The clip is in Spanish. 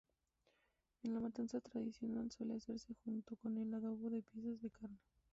En la matanza tradicional suele hacerse junto con el adobo de piezas de carne.